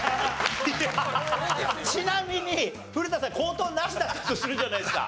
ちなみに古田さん口頭なしだったとするじゃないですか。